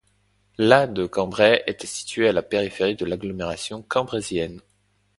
La de Cambrai était située à la périphérie de l'agglomération cambraisienne.